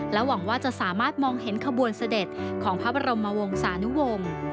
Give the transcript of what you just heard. หวังว่าจะสามารถมองเห็นขบวนเสด็จของพระบรมวงศานุวงศ์